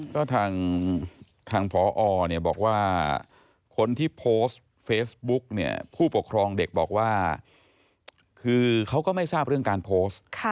ก็ทางพอเนี่ยบอกว่าคนที่โพสต์เฟซบุ๊กเนี่ยผู้ปกครองเด็กบอกว่าคือเขาก็ไม่ทราบเรื่องการโพสต์